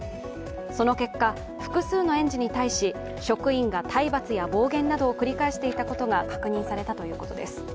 その結果、複数の園児に対し、職員が体罰や暴言などを繰り返していたことが確認されたということです。